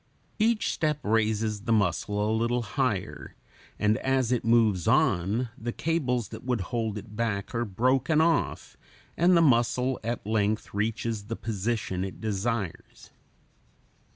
Each step raises the mussel a little higher, and as it moves on, the cables that would hold it back are broken off, and the mussel at length reaches the position it desires.